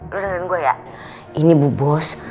lu dengerin gue ya ini bu bos